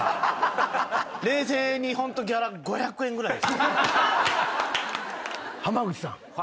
冷静にホントギャラ５００円ぐらい。